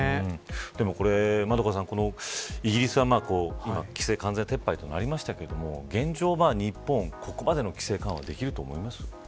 でも円香さん、イギリスが規制を完全撤廃となりましたが現状、日本、ここまでの規制緩和できると思いますか。